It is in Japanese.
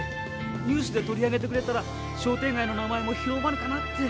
ニュースで取り上げてくれたら商店がいの名前も広まるかなって。